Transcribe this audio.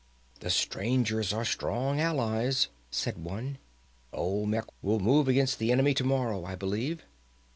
"The strangers are strong allies," said one. "Olmec will move against the enemy tomorrow, I believe."